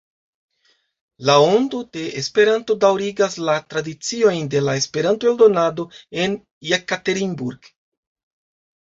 La Ondo de Esperanto daŭrigas la tradiciojn de la esperanto-eldonado en Jekaterinburg.